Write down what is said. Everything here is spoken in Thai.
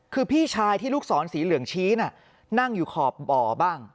คือพี่ชายที่ลูกศรสีเหลืองชี้น่ะนั่งอยู่ขอบบ่อบ้าง